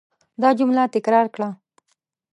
دا جمله تکرار کړه.